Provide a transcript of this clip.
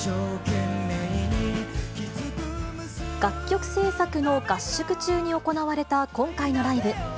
楽曲制作の合宿中に行われた今回のライブ。